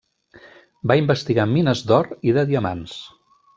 Va investigar mines d'or i de diamants.